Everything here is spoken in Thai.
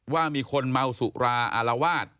ว่ามีคนเมาสุราอารวาส